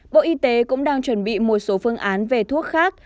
bộ y tế cũng đang chuẩn bị một số phương án về thuốc khác